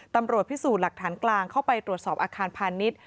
ตำรวจพิสูจน์หลักฐานกลางเข้าไปตรวจสอบอาคารพาณิชย์